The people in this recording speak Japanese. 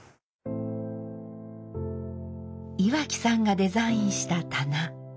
岩木さんがデザインした棚。